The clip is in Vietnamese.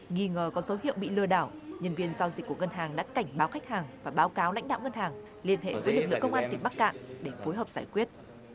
nghi ngờ có dấu hiệu bị lừa đảo nhân viên giao dịch của ngân hàng đã cảnh báo khách hàng và báo cáo lãnh đạo ngân hàng liên hệ với lực lượng công an tỉnh bắc cạn để phối hợp giải quyết